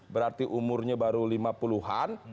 berarti umurnya baru lima puluh an